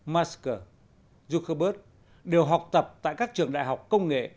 masker zuckerberg đều học tập tại các trường đại học công nghệ